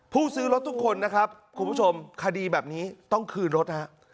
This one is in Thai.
พู่ซื้อรถทุกคนค้าดีแบบนี้ต้องคืนรถ